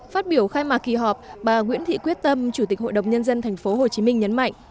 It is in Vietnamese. phát biểu khai mạc kỳ họp bà nguyễn thị quyết tâm chủ tịch hội đồng nhân dân tp hcm nhấn mạnh